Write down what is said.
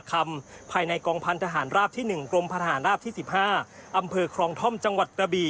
กรมพยาบาลรอบที่สิบห้า